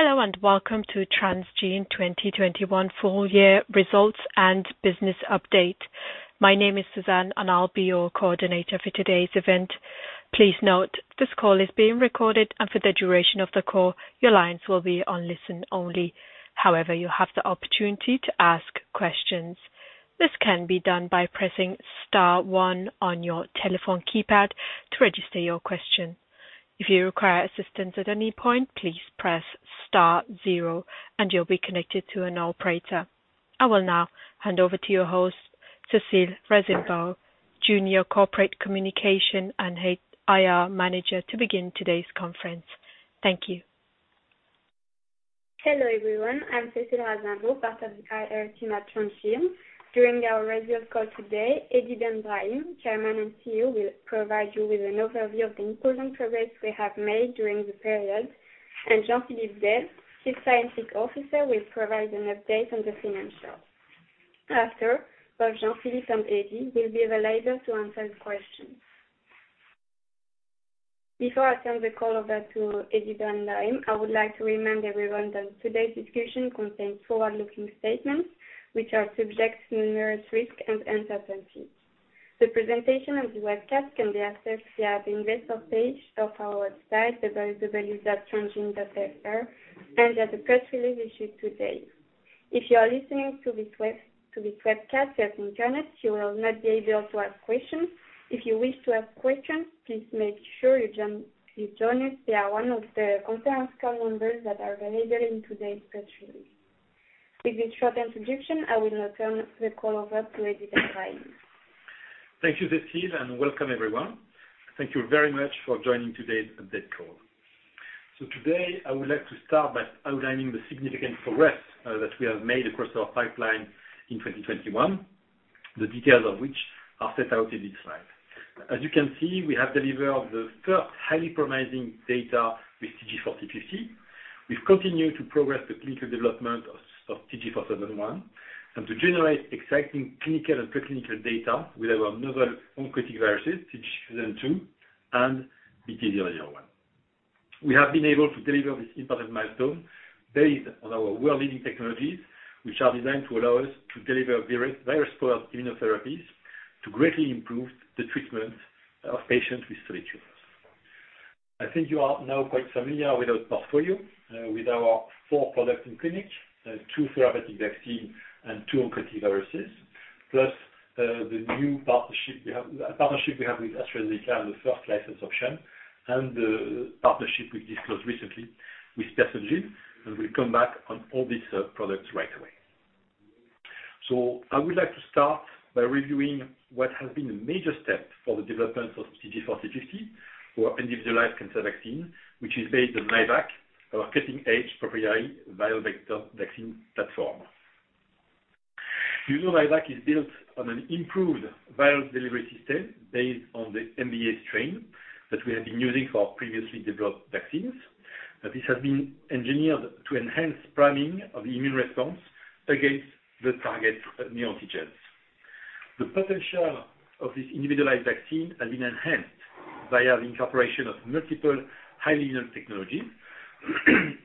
Hello, and welcome to Transgene 2021 Full Year Results and Business Update. My name is Suzanne, and I'll be your coordinator for today's event. Please note this call is being recorded, and for the duration of the call, your lines will be on listen only. However, you have the opportunity to ask questions. This can be done by pressing star one on your telephone keypad to register your question. If you require assistance at any point, please press star zero and you'll be connected to an operator. I will now hand over to your host, Cécile-Victoire Rasenberger, Junior Corporate Communication and Head IR Manager, to begin today's conference. Thank you. Hello, everyone. I'm Cécile-Victoire Rasenberger, part of the IR team at Transgene. During our results call today, Hedi Ben Brahim, Chairman and CEO, will provide you with an overview of the important progress we have made during the period. Jean-Philippe Del, Chief Financial Officer, will provide an update on the financials. After both Jean-Philippe and Hedi will be available to answer the questions. Before I turn the call over to Hedi Ben Brahim, I would like to remind everyone that today's discussion contains forward-looking statements which are subject to numerous risks and uncertainties. The presentation on the webcast can be accessed via the investor page of our website, www.transgene.fr, and at the press release issued today. If you are listening to this webcast via the Internet, you will not be able to ask questions. If you wish to ask questions, please make sure you join us via one of the conference call numbers that are available in today's press release. With this short introduction, I will now turn the call over to Hedi Ben Brahim. Thank you, Cécile, and welcome everyone. Thank you very much for joining today's update call. Today I would like to start by outlining the significant progress that we have made across our pipeline in 2021, the details of which are set out in this slide. As you can see, we have delivered the first highly promising data with TG4050. We've continued to progress the clinical development of TG471 and to generate exciting clinical and pre-clinical data with our novel oncolytic viruses, TG72 and BT-001. We have been able to deliver this important milestone based on our world-leading technologies, which are designed to allow us to deliver virus-powered immunotherapies to greatly improve the treatment of patients with solid tumors. I think you are now quite familiar with our portfolio, with our four products in clinic, two therapeutic vaccine and two oncolytic viruses, plus, the new partnership we have with AstraZeneca and the first license option, and the partnership we disclosed recently with PersonGen, and we'll come back on all these products right away. I would like to start by reviewing what has been a major step for the development of TG4050 for individualized cancer vaccine, which is based on myvac, our cutting-edge proprietary viral vector vaccine platform. You know myvac is built on an improved viral delivery system based on the MVA strain that we have been using for previously developed vaccines. This has been engineered to enhance priming of the immune response against the target neoantigens. The potential of this individualized vaccine has been enhanced via the incorporation of multiple highly immune technologies.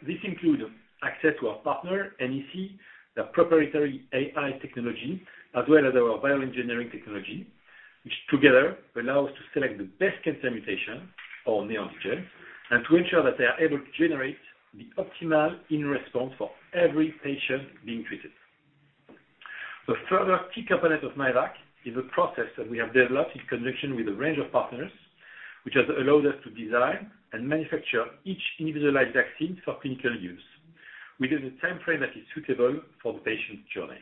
This include access to our partner, NEC, the proprietary AI technology, as well as our bioengineering technology, which together allow us to select the best cancer mutation or neoantigen and to ensure that they are able to generate the optimal immune response for every patient being treated. The further key component of myvac is a process that we have developed in conjunction with a range of partners, which has allowed us to design and manufacture each individualized vaccine for clinical use within the timeframe that is suitable for the patient's journey.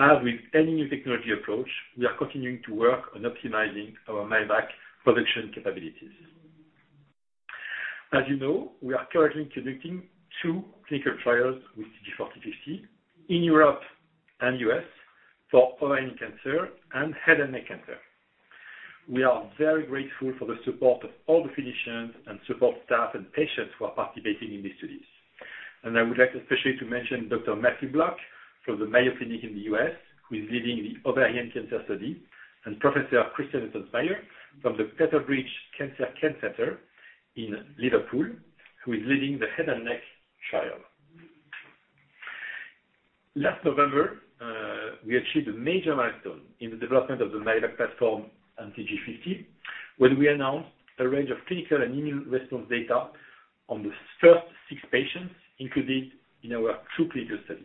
As with any new technology approach, we are continuing to work on optimizing our myvac production capabilities. As you know, we are currently conducting two clinical trials with TG4050 in Europe and U.S. for ovarian cancer and head and neck cancer. We are very grateful for the support of all the physicians and support staff and patients who are participating in these studies. I would like especially to mention Dr. Matthew Block from the Mayo Clinic in the U.S., who is leading the ovarian cancer study, and Professor Christian Ottensmeier from The Clatterbridge Cancer Centre in Liverpool, who is leading the head and neck trial. Last November, we achieved a major milestone in the development of the myvac platform and TG4050 when we announced a range of clinical and immune response data on the first six patients included in our two clinical studies.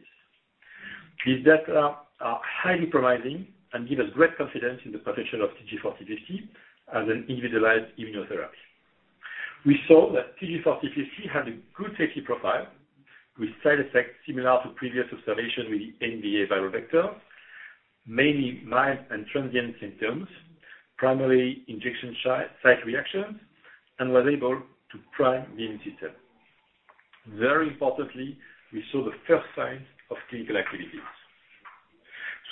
These data are highly promising and give us great confidence in the potential of TG4050 as an individualized immunotherapy. We saw that TG4050 had a good safety profile with side effects similar to previous observations with the MVA viral vector, mainly mild and transient symptoms, primary injection site reactions, and was able to prime the immune system. Very importantly, we saw the first signs of clinical activities.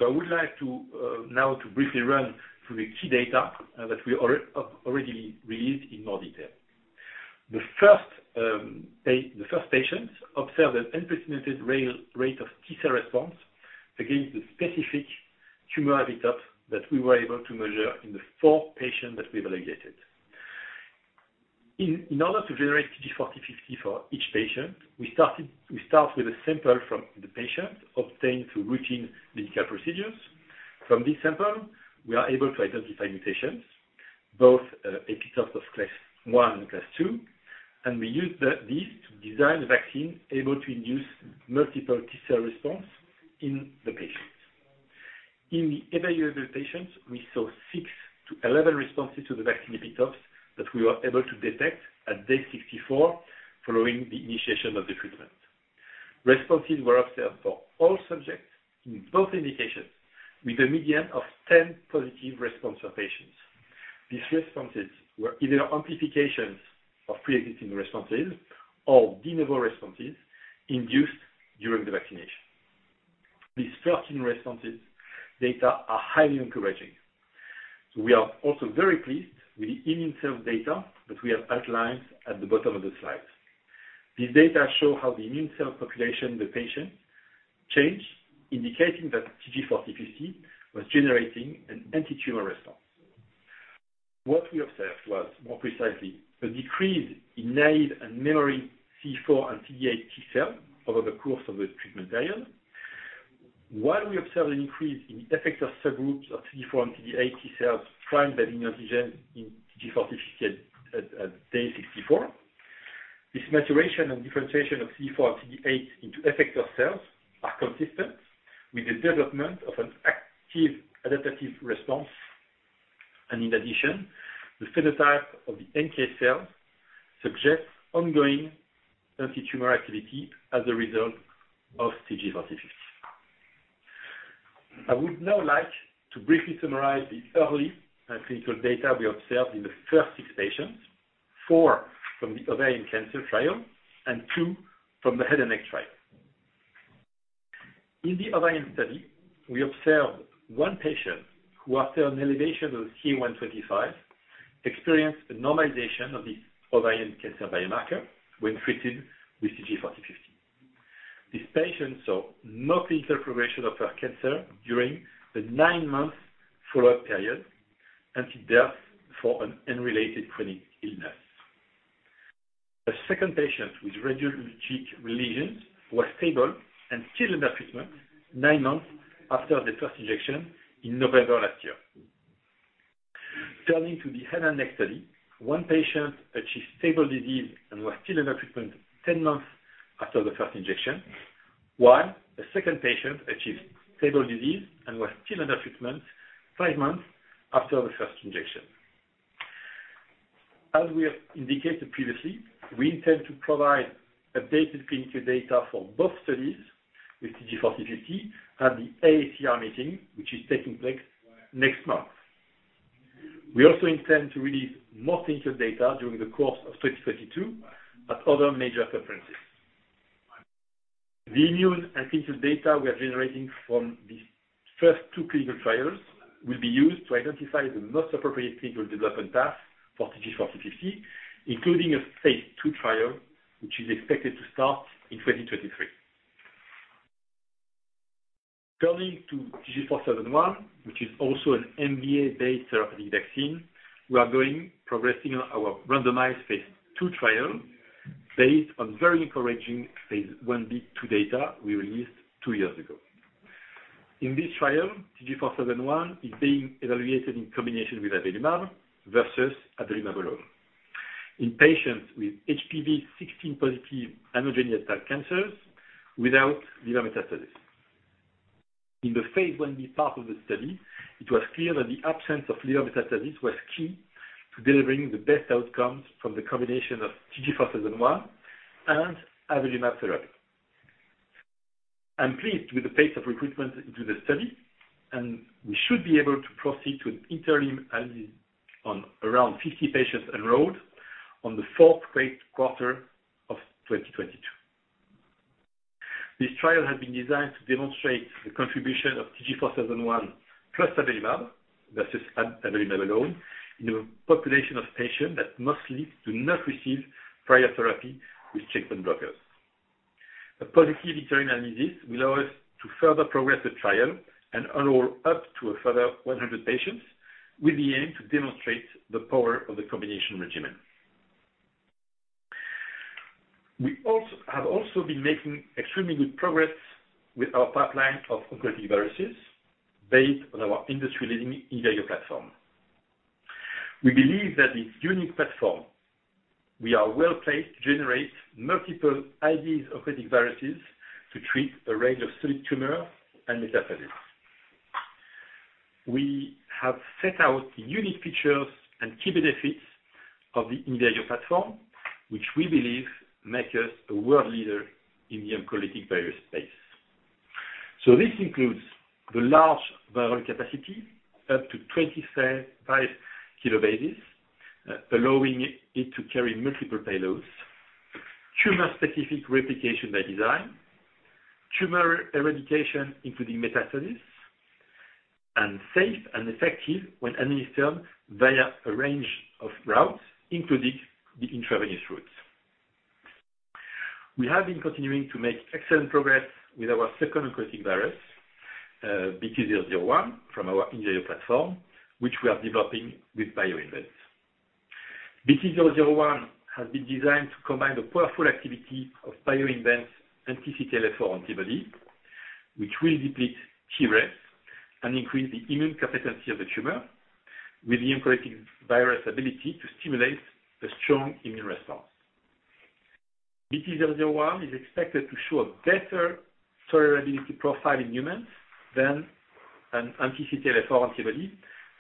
I would like to now briefly run through the key data that we already released in more detail. The first patients observed an unprecedented rate of T-cell response against the specific tumor epitopes that we were able to measure in the four patients that we've evaluated. In order to generate TG4050 for each patient, we start with a sample from the patient obtained through routine medical procedures. From this sample, we are able to identify mutations, both epitopes of class one and class two, and we use this to design a vaccine able to induce multiple T-cell response in the patient. In the evaluable patients, we saw 6-11 responses to the vaccine epitopes that we were able to detect at day 64 following the initiation of the treatment. Responses were observed for all subjects in both indications with a median of 10 positive responses per patient. These responses were either amplifications of pre-existing responses or de novo responses induced during the vaccination. These T-cell responses data are highly encouraging. We are also very pleased with the immune cell data that we have outlined at the bottom of the slide. These data show how the immune cell population in the patient changes, indicating that TG4050 was generating an anti-tumor response. What we observed was more precisely a decrease in naive and memory CD4 and CD8 T-cell over the course of the treatment period. While we observed an increase in effector subgroups of CD4 and CD8 T-cells primed by immunogen in TG4050 at day 64. This maturation and differentiation of CD4 and CD8 into effector cells are consistent with the development of an active adaptive response. In addition, the phenotype of the NK cells suggests ongoing anti-tumor activity as a result of TG4050. I would now like to briefly summarize the early clinical data we observed in the first six patients. Four from the ovarian cancer trial and two from the head and neck trial. In the ovarian study, we observed one patient who after an elevation of CA-125, experienced a normalization of the ovarian cancer biomarker when treated with TG4050. This patient saw no clinical progression of her cancer during the nine-month follow-up period until death for an unrelated chronic illness. A second patient with radiologic lesions was stable and still under treatment nine months after the first injection in November last year. Turning to the head and neck study, one patient achieved stable disease and was still under treatment 10 months after the first injection, while a second patient achieved stable disease and was still under treatment five months after the first injection. As we have indicated previously, we intend to provide updated clinical data for both studies with TG4050 at the AACR meeting, which is taking place next month. We also intend to release more clinical data during the course of 2022 at other major conferences. The immune and clinical data we are generating from these first two clinical trials will be used to identify the most appropriate clinical development path for TG4050, including a phase II trial, which is expected to start in 2023. Turning to TG4071, which is also an MVA-based therapy vaccine, we are progressing our randomized phase II trial based on very encouraging phase I-B, two data we released two years ago. In this trial, TG4071 is being evaluated in combination with Avelumab versus Avelumab alone in patients with HPV 16-positive oropharyngeal cancers without liver metastasis. In the phase I-B part of the study, it was clear that the absence of liver metastasis was key to delivering the best outcomes from the combination of TG4071 and Avelumab therapy. I'm pleased with the pace of recruitment into the study, and we should be able to proceed to an interim analysis on around 50 patients enrolled in the fourth quarter of 2022. This trial has been designed to demonstrate the contribution of TG4071 plus avelumab versus avelumab alone in a population of patients that mostly do not receive prior therapy with checkpoint blockers. A positive interim analysis will allow us to further progress the trial and enroll up to a further 100 patients with the aim to demonstrate the power of the combination regimen. We have also been making extremely good progress with our pipeline of oncolytic viruses based on our industry-leading Invir.IO platform. We believe that this unique platform. We are well placed to generate multiple OVs oncolytic viruses to treat a range of solid tumors and metastases. We have set out the unique features and key benefits of the Invir.IO Platform, which we believe make us a world leader in the oncolytic virus space. This includes the large viral capacity, up to 25 kilobases, allowing it to carry multiple payloads, tumor-specific replication by design, tumor eradication including metastasis, and safe and effective when administered via a range of routes, including the intravenous route. We have been continuing to make excellent progress with our second oncolytic virus, BT-001 from our Invir.IO platform, which we are developing with BioInvent. BT-001 has been designed to combine the powerful activity of BioInvent's anti-CTLA-4 antibody, which will deplete Tregs and increase the immune competency of the tumor with the oncolytic virus ability to stimulate a strong immune response. BT-001 is expected to show a better tolerability profile in humans than an anti-CTLA-4 antibody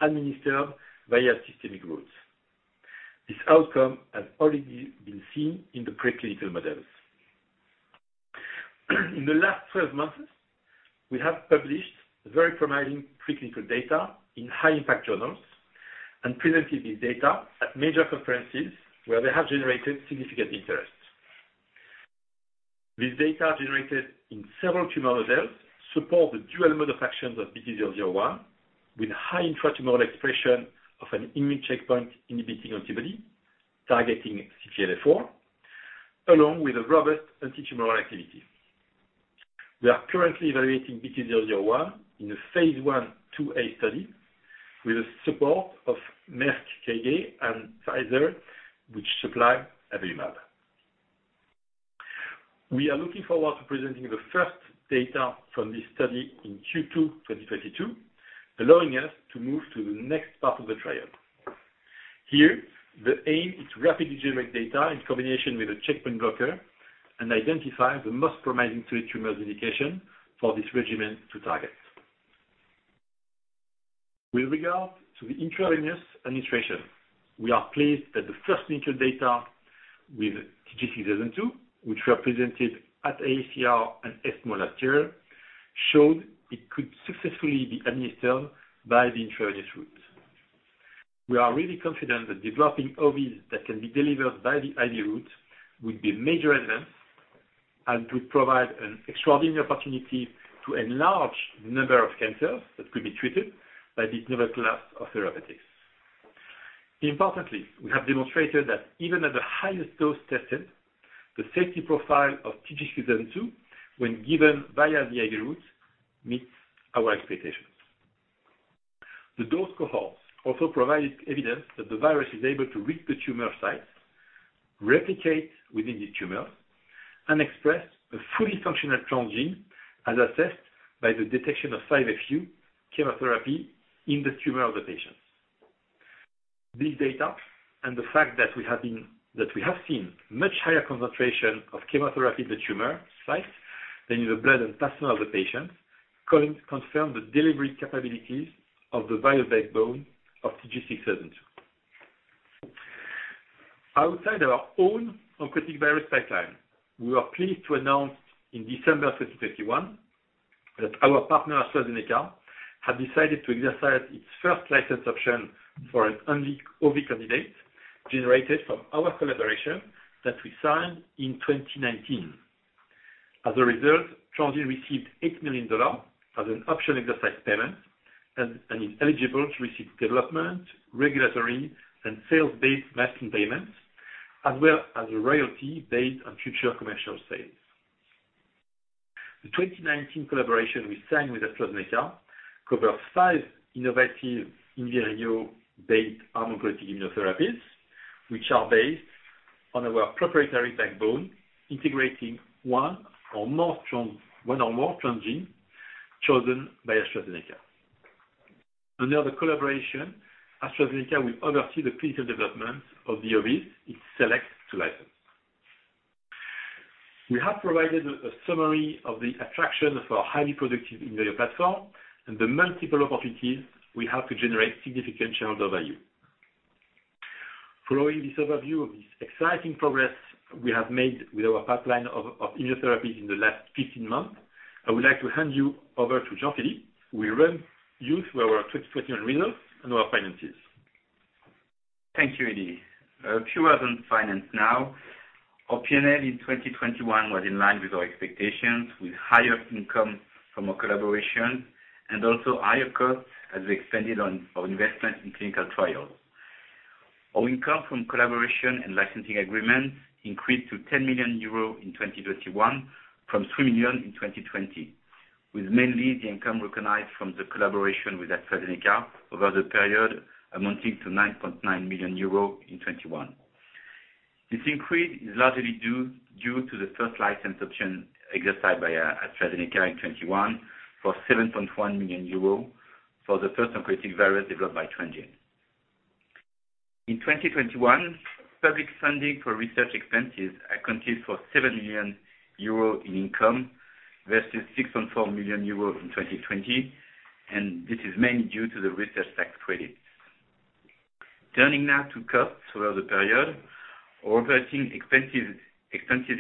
administered via systemic routes. This outcome has already been seen in the preclinical models. In the last 12 months, we have published very promising preclinical data in high impact journals and presented this data at major conferences where they have generated significant interest. This data generated in several tumor models support the dual mode of actions of BT-001 with high intra-tumoral expression of an immune checkpoint inhibiting antibody targeting CTLA-4, along with a robust anti-tumoral activity. We are currently evaluating BT-001 in a phase I and II-A study with the support of Merck KGaA and Pfizer, which supply Avelumab. We are looking forward to presenting the first data from this study in Q2 2022, allowing us to move to the next part of the trial. The aim is to rapidly generate data in combination with a checkpoint blocker and identify the most promising solid tumors indication for this regimen to target. With regard to the intravenous administration, we are pleased that the first clinical data with TG6002, which were presented at AACR and ESMO last year, showed it could successfully be administered by the intravenous route. We are really confident that developing OVs that can be delivered by the IV route would be a major event and would provide an extraordinary opportunity to enlarge the number of cancers that could be treated by this novel class of therapeutics. Importantly, we have demonstrated that even at the highest dose tested, the safety profile of TG6002 when given via the IV route meets our expectations. The dose cohorts also provided evidence that the virus is able to reach the tumor sites, replicate within the tumors, and express a fully functional transgene, as assessed by the detection of 5-FU chemotherapy in the tumor of the patients. This data and the fact that we have seen much higher concentration of chemotherapy in the tumor sites than in the blood and plasma of the patients confirm the delivery capabilities of the virus backbone of TG6002. Outside our own oncolytic virus pipeline, we were pleased to announce in December 2021 that our partner AstraZeneca had decided to exercise its first license option for an Invir.IO candidate generated from our collaboration that we signed in 2019. As a result, Transgene received $8 million as an option exercise payment and is eligible to receive development, regulatory, and sales-based milestone payments, as well as a royalty based on future commercial sales. The 2019 collaboration we signed with AstraZeneca covers five innovative Invir.IO-based oncolytic immunotherapies, which are based on our proprietary backbone, integrating one or more transgenes chosen by AstraZeneca. Under the collaboration, AstraZeneca will oversee the clinical development of the OVs it selects to license. We have provided a summary of the attraction of our highly productive Invir.IO platform and the multiple opportunities we have to generate significant shareholder value. Following this overview of this exciting progress we have made with our pipeline of immunotherapies in the last 15 months, I would like to hand you over to Jean-Philippe, who will run you through our 2021 results and our finances. Thank you, Hedi. A few words on finance now. Our P&L in 2021 was in line with our expectations, with higher income from our collaboration and also higher costs as we expanded on our investment in clinical trials. Our income from collaboration and licensing agreements increased to 10 million euro in 2021 from 3 million in 2020, with mainly the income recognized from the collaboration with AstraZeneca over the period amounting to 9.9 million euros in 2021. This increase is largely due to the first license option exercised by AstraZeneca in 2021 for 7.1 million euro for the first oncolytic virus developed by Transgene. In 2021, public funding for research expenses accounted for 7 million euro in income versus 6.4 million euro in 2020, and this is mainly due to the research tax credit. Turning now to costs throughout the period. Operating expenses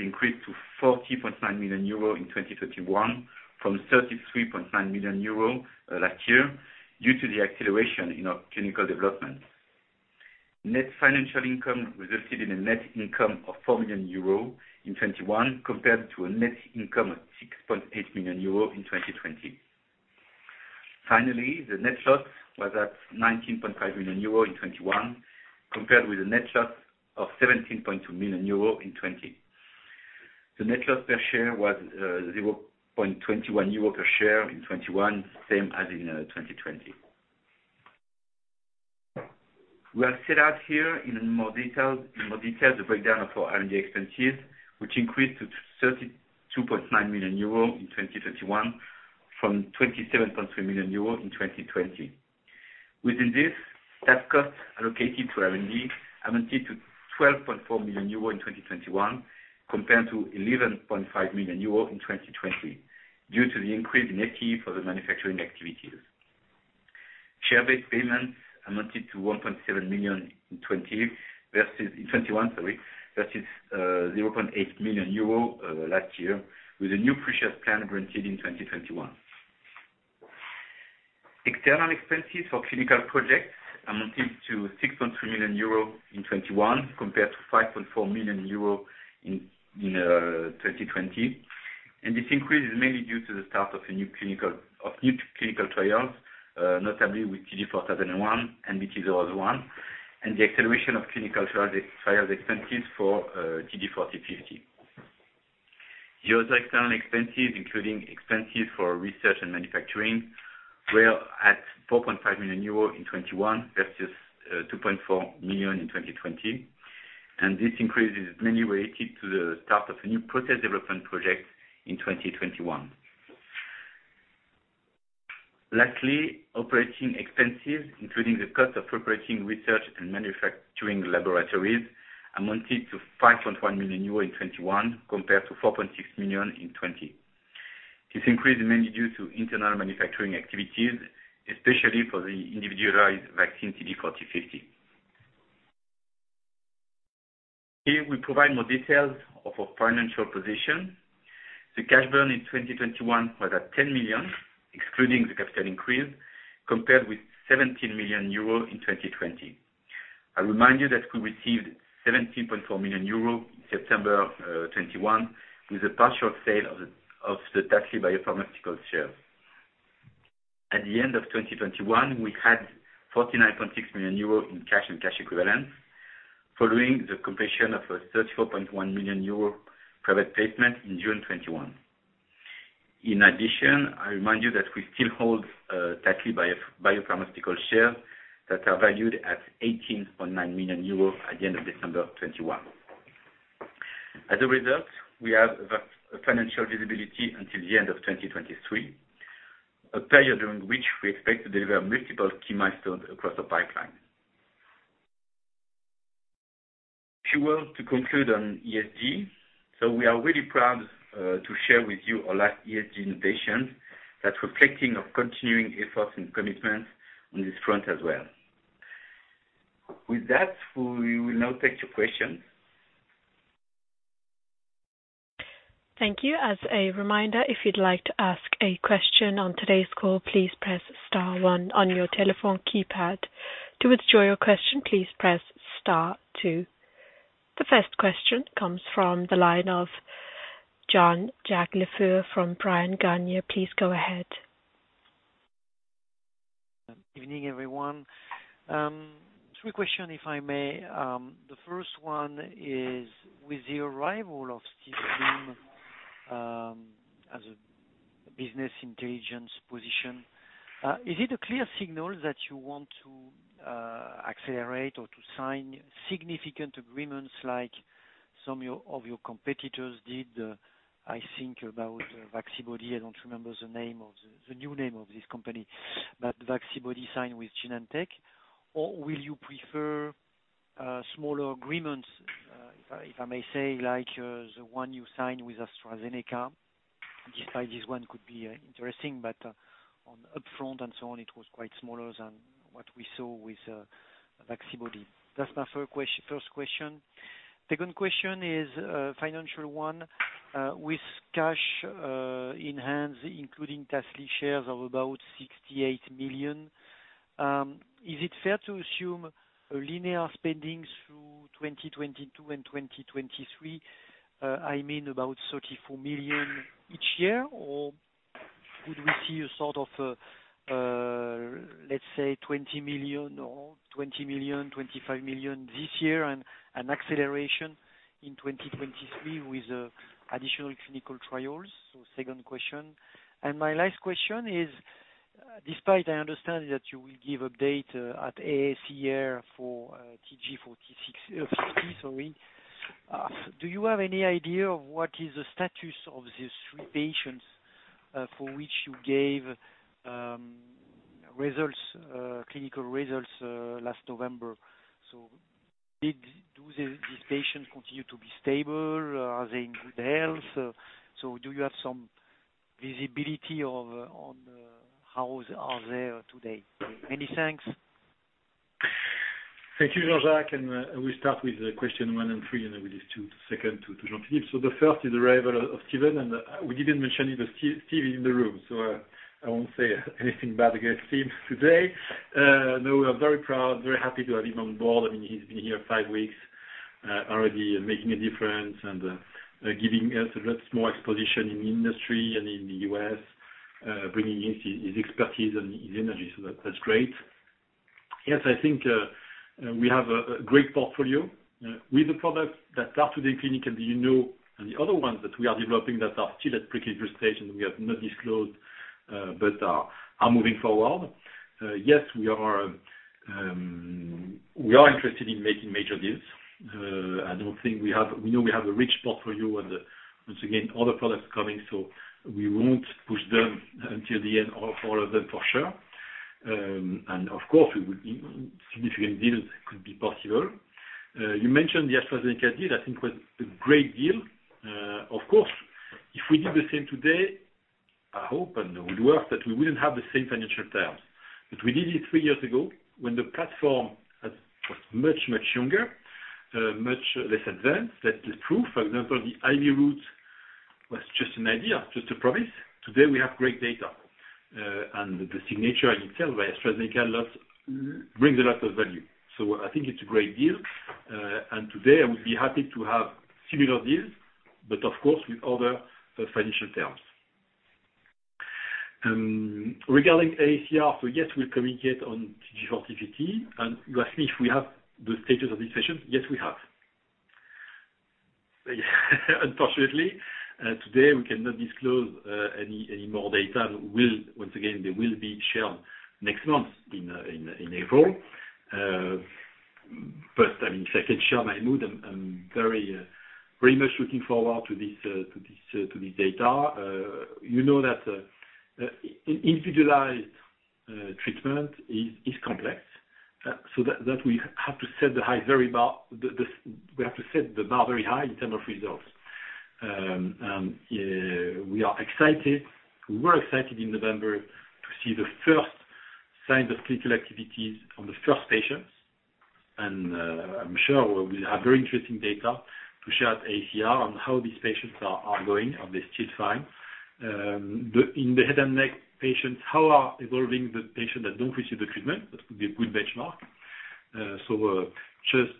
increased to 40.9 million euro in 2021 from 33.9 million euro last year due to the acceleration in our clinical development. Net financial income resulted in a net income of 4 million euro in 2021 compared to a net income of 6.8 million euro in 2020. Finally, the net loss was 19.5 million euro in 2021, compared with a net loss of 17.2 million euro in 2020. The net loss per share was 0.21 euro per share in 2021, same as in 2020. We have set out here in more detail the breakdown of our R&D expenses, which increased to 32.9 million euros in 2021 from 27.3 million euros in 2020. Within this, staff costs allocated to R&D amounted to 12.4 million euro in 2021 compared to 11.5 million euro in 2020 due to the increase in FTE for the manufacturing activities. Share-based payments amounted to 1.7 million in 2021 versus 0.8 million euro last year with a new free share plan granted in 2021. External expenses for clinical projects amounted to 6.3 million euro in 2021 compared to 5.4 million euro in 2020. This increase is mainly due to the start of new clinical trials, notably with TG4001 and BT-001, and the acceleration of clinical trials expenses for TG4050. The other external expenses, including expenses for research and manufacturing, were at 4.5 million euro in 2021 versus 2.4 million in 2020. This increase is mainly related to the start of a new process development project in 2021. Lastly, operating expenses, including the cost of operating research and manufacturing laboratories, amounted to 5.1 million euros in 2021 compared to 4.6 million in 2020. This increase is mainly due to internal manufacturing activities, especially for the individualized vaccine TG4050. Here we provide more details of our financial position. The cash burn in 2021 was at 10 million, excluding the capital increase, compared with 17 million euro in 2020. I remind you that we received 17.4 million euro in September of 2021, with a partial sale of the Tasly Biopharmaceuticals shares. At the end of 2021, we had 49.6 million euros in cash and cash equivalents following the completion of a 34.1 million euro private placement in June 2021. In addition, I remind you that we still hold Tasly Biopharmaceuticals shares that are valued at 18.9 million euros at the end of December 2021. As a result, we have the financial visibility until the end of 2023, a period during which we expect to deliver multiple key milestones across the pipeline. Few words to conclude on ESG. We are really proud to share with you our latest ESG innovations that are reflective of continuing efforts and commitment on this front as well. With that, we will now take your questions. Thank you. As a reminder, if you'd like to ask a question on today's call, please press star one on your telephone keypad. To withdraw your question, please press star two. The first question comes from the line of Jean-Jacques Le Fur from Bryan Garnier. Please go ahead. Evening, everyone. Three questions if I may. The first one is with the arrival of Steven Bloom, as a business intelligence position, is it a clear signal that you want to accelerate or to sign significant agreements like some of your competitors did? I think about Vaccibody. I don't remember the name of the new name of this company, but Vaccibody signed with Genentech. Or will you prefer smaller agreements, if I may say, like the one you signed with AstraZeneca? Despite this one could be interesting, but on upfront and so on it was quite smaller than what we saw with Vaccibody. That's my first question. Second question is a financial one. With cash in hands, including Tasly shares of about 68 million, is it fair to assume a linear spending through 2022 and 2023? I mean about 34 million each year? Or would we see a sort of, let's say 20 million or 25 million this year and acceleration in 2023 with additional clinical trials? Second question. My last question is, despite I understand that you will give update at AACR for TG4050, sorry, do you have any idea of what is the status of these three patients for which you gave results, clinical results last November? Do these patients continue to be stable? Are they in good health? Do you have some visibility on how they are today? Many thanks. Thank you, Jean-Jacques. We start with question one and three, and then we leave two seconds to Jean-Philippe. The first is the arrival of Steven. We didn't mention it, but Steve is in the room, so I won't say anything bad against Steve today. We are very proud, very happy to have him on board. I mean, he's been here five weeks. Already making a difference and giving us lots more exposure in industry and in the U.S., bringing his expertise and his energy. That's great. Yes, I think we have a great portfolio with the products that start with the clinical that you know, and the other ones that we are developing that are still at preclinical stage and we have not disclosed, but are moving forward. Yes, we are interested in making major deals. We know we have a rich portfolio and once again, other products coming, so we won't push them until the end of all of them for sure. Significant deals could be possible. You mentioned the AstraZeneca deal. I think it was a great deal. Of course, if we did the same today, I hope and it would work that we wouldn't have the same financial terms. We did it three years ago when the platform was much, much younger, much less advanced. That is true. For example, the IV route was just an idea, just a promise. Today, we have great data. The signature itself by AstraZeneca brings a lot of value. I think it's a great deal. Today I would be happy to have similar deals, but of course, with other financial terms. Regarding AACR, yes, we're committed on TG4050. You asked me if we have the status of this session. Yes, we have. Unfortunately, today we cannot disclose any more data. Once again, they will be shared next month in April. I mean, if I can share my mood, I'm very much looking forward to this data. You know that individualized treatment is complex. So that we have to set the bar very high in terms of results. We are excited. We were excited in November to see the first sign of clinical activities on the first patients. I'm sure we have very interesting data to share at ACR on how these patients are going. Are they still fine? In the head and neck patients, how are the patients that don't receive the treatment evolving? That would be a good benchmark.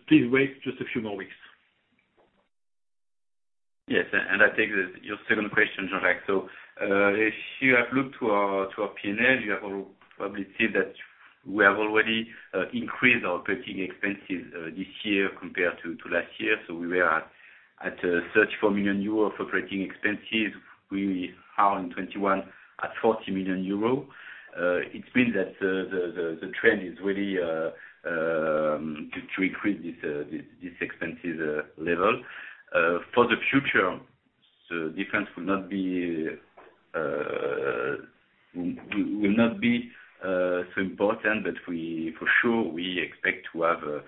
Please wait just a few more weeks. Yes. I take this your second question, Jean-Jacques Le Fur. If you have looked to our P&L, you have probably seen that we have already increased our operating expenses this year compared to last year. We were at 34 million euros for operating expenses. We are in 2021 at 40 million euros. It means that the trend is really to increase this expenses level. For the future, the difference will not be so important, but we for sure expect to have a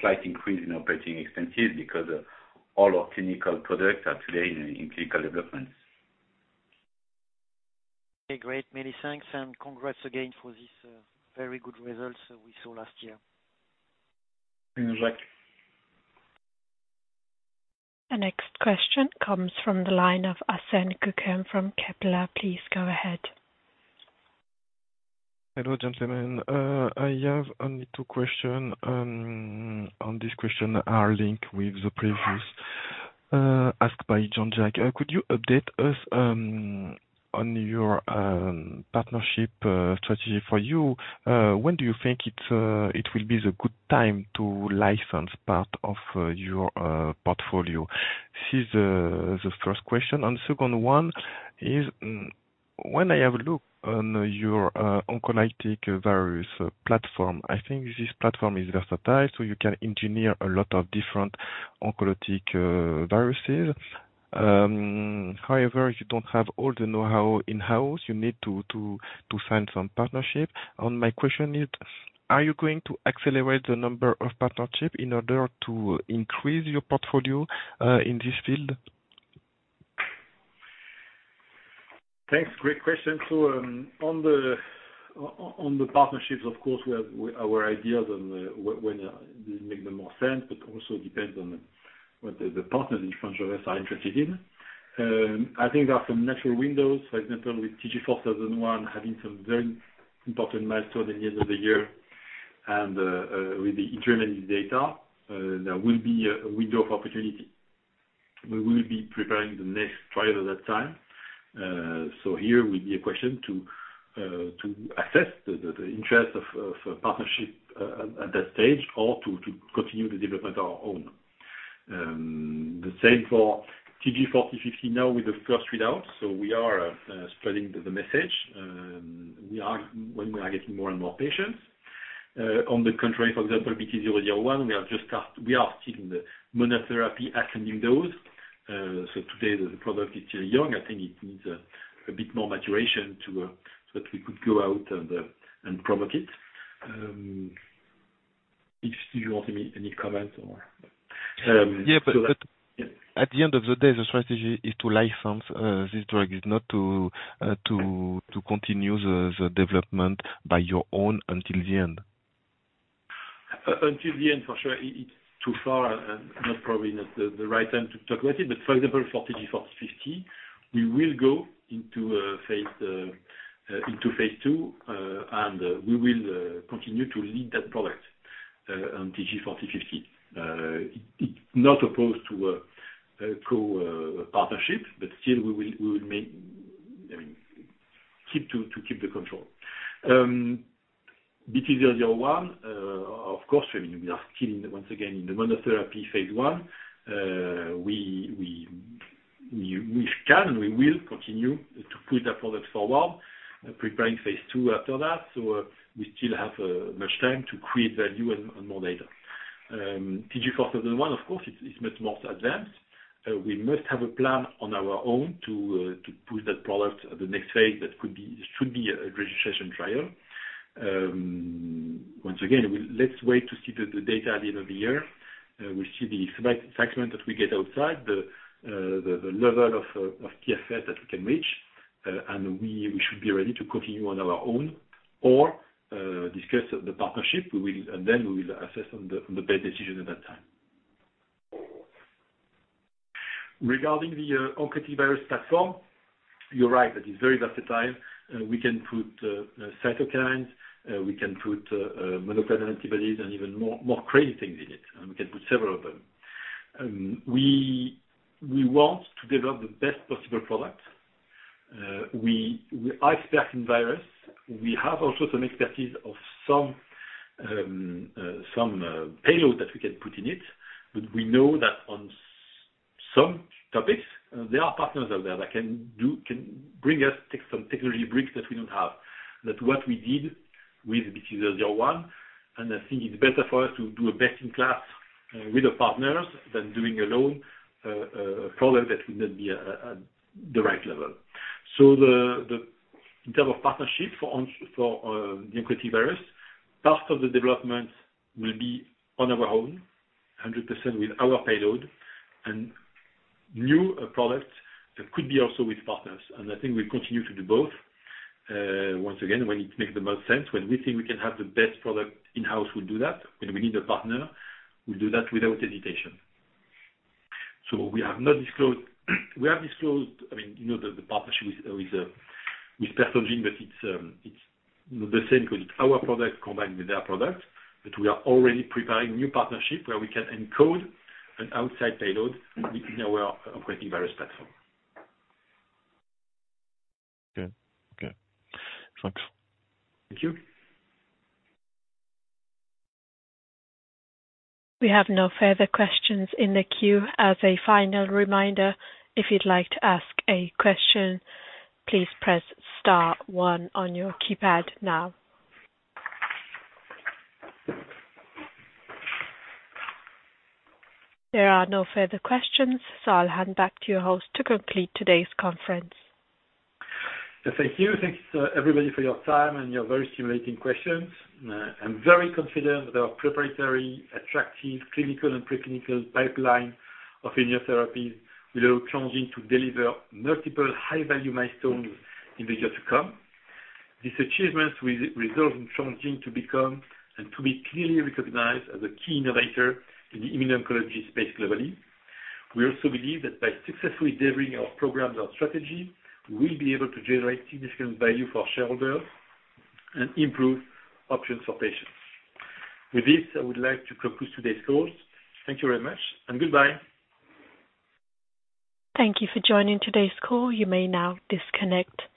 slight increase in operating expenses because all our clinical products are today in clinical developments. Okay, great. Many thanks and congrats again for this, very good results we saw last year. Thanks, Jack. The next question comes from the line of Arsene Guekam from Kepler. Please go ahead. Hello, gentlemen. I have only two question, and this question are linked with the previous asked by Jean-Jacques. Could you update us on your partnership strategy for you? When do you think it will be the good time to license part of your portfolio? This is the first question. Second one is when I have a look on your oncolytic virus platform, I think this platform is versatile, so you can engineer a lot of different oncolytic viruses. However, you don't have all the know-how in-house. You need to sign some partnership. My question is, are you going to accelerate the number of partnership in order to increase your portfolio in this field? Thanks. Great question. On the partnerships, of course, we have our ideas on when they make the most sense, but also depends on what the partners in front of us are interested in. I think there are some natural windows, for example, with TG4001 having some very important milestone at the end of the year and with the intermediate data, there will be a window of opportunity. We will be preparing the next trial at that time. There will be a question to assess the interest of a partnership at that stage or to continue the development on our own. The same for TG4050 now with the first read out. We are spreading the message. We are getting more and more patients. On the contrary, for example, BT-001, we are still in the monotherapy ascending dose. So today the product is still young. I think it needs a bit more maturation to so that we could go out and promote it. If you want to make any comments or At the end of the day, the strategy is to license this drug, not to continue the development by your own until the end. Until the end, for sure, it's too far and probably not the right time to talk about it. For example, for TG4050 we will go into phase II and we will continue to lead that product on TG4050. It's not opposed to a copartnership, but still we will keep the control. BT-001. Of course, I mean, we are still in the monotherapy phase I. We will continue to push that product forward, preparing phase II after that. We still have much time to create value and more data. TG4001, of course, it's much more advanced. We must have a plan on our own to push that product at the next phase. That could be a registration trial. It should be a registration trial. Once again, let's wait to see the data at the end of the year. We'll see the segment that we get outside the level of TFF that we can reach. We should be ready to continue on our own or discuss the partnership. We will assess the best decision at that time. Regarding the oncolytic virus platform, you're right that it's very versatile. We can put cytokines, we can put monoclonal antibodies and even more crazy things in it, and we can put several of them. We want to develop the best possible product. We are experts in virus. We have also some expertise of some payload that we can put in it. But we know that on some topics there are partners out there that can bring us technology bricks that we don't have. That's what we did with BT-001, and I think it's better for us to do a best in class with the partners than doing alone a product that will not be at the right level. In terms of partnership for the oncolytic virus, part of the development will be on our own. 100% with our payload and new products that could be also with partners. I think we continue to do both. Once again, when it makes the most sense. When we think we can have the best product in-house, we'll do that. When we need a partner, we'll do that without hesitation. We have disclosed, I mean, you know, the partnership with PersonGen, but it's the same because it's our product combined with their product. We are already preparing new partnership where we can encode an outside payload within our oncolytic virus platform. Good. Okay. Thanks. Thank you. We have no further questions in the queue. As a final reminder, if you'd like to ask a question, please press star one on your keypad now. There are no further questions, so I'll hand back to your host to complete today's conference. Thank you. Thanks, everybody, for your time and your very stimulating questions. I'm very confident that our proprietary, attractive clinical and pre-clinical pipeline of immunotherapies will allow Transgene to deliver multiple high-value milestones in the years to come. These achievements will result in Transgene to become and to be clearly recognized as a key innovator in the immuno-oncology space globally. We also believe that by successfully delivering our programs and strategy, we'll be able to generate significant value for shareholders and improve options for patients. With this, I would like to conclude today's call. Thank you very much and goodbye. Thank you for joining today's call. You may now disconnect.